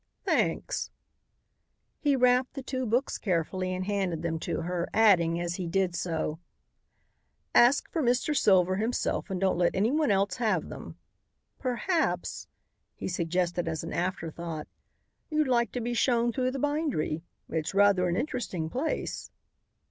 "Thanks." He wrapped the two books carefully and handed them to her, adding, as he did so: "Ask for Mr. Silver himself and don't let anyone else have them. Perhaps," he suggested as an afterthought, "you'd like to be shown through the bindery. It's rather an interesting place."